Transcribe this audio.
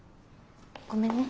ごめんね。